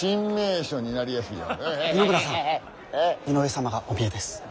井上様がお見えです。